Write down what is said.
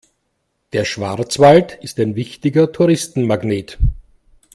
Der Schwarzwald ist ein wichtiger Touristenmagnet.